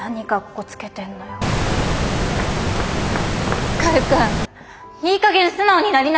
光くんいいかげん素直になりなよ。